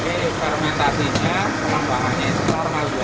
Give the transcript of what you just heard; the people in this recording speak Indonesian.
jadi fermentasinya kelampangannya itu normal